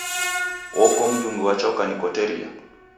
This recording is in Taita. Woko mndungi wacha ukanikoteria?